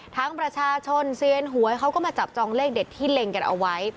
ประชาชนเซียนหวยเขาก็มาจับจองเลขเด็ดที่เล็งกันเอาไว้